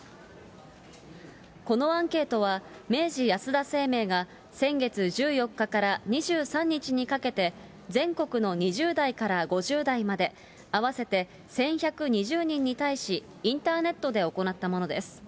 このアンケートは明治安田生命が先月１４日から２３日にかけて、全国の２０代から５０代まで、合わせて１１２０人に対し、インターネットで行ったものです。